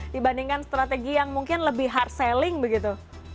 dibandingkan strategi yang mungkin lebih hard selling begitu